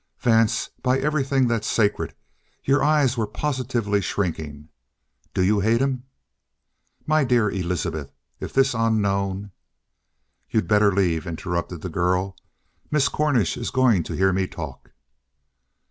"Vance, by everything that's sacred, your eyes were positively shrinking. Do you hate him?" "My dear Elizabeth, if this unknown " "You'd better leave," interrupted the girl. "Miss Cornish is going to hear me talk."